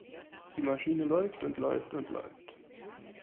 Die Maschine läuft und läuft und läuft.